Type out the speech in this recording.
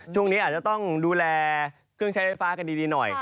ช่วงนี้อาจจะต้องดูแลเครื่องใช้ไฟฟ้ากันดีหน่อย